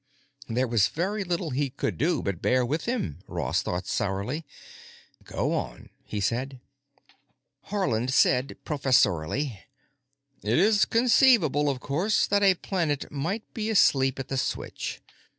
There was very little he could do but bear with him, Ross thought sourly. "Go on," he said. Haarland said professorially, "It is conceivable, of course, that a planet might be asleep at the switch.